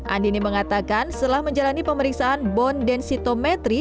andini mengatakan setelah menjalani pemeriksaan bone densitometry